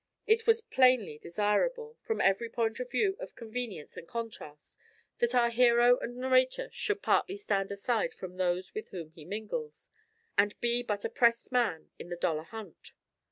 It was plainly desirable, from every point of view of convenience and contrast, that our hero and narrator should partly stand aside from those with whom he mingles, and be but a pressed man in the dollar hunt.